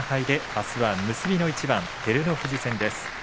あすは結びの一番照ノ富士戦です。